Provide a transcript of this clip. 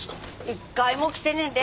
一回も来てねえで。